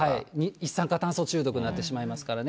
一酸化炭素中毒になってしまいますからね。